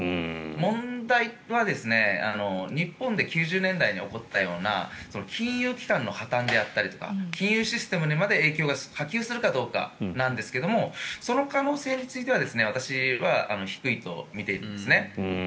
問題は日本で９０年代に起こったような金融機関の破たんであったりとか金融システムにまで影響が波及するかどうかですがその可能性については私は低いと見ているんですね。